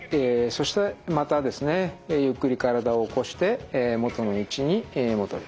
そしてまたですねゆっくり体を起こして元の位置に戻ります。